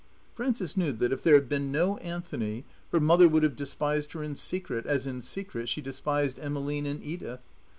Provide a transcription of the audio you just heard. Frances knew that if there had been no Anthony, her mother would have despised her in secret, as in secret she despised Emmeline and Edith.